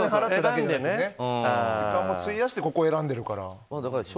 時間も費やしてここを選んでるから。